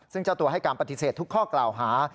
ซึ่งเจ้าตัวให้การปฏิเสธทุกข้อกล่าวหา